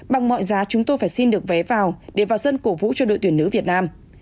bằng mọi giá chúng tôi phải xin được vé vào để vào sân cổ vũ cho đội tuyển nữ việt nam